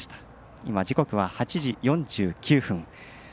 今、時刻は８時４９分。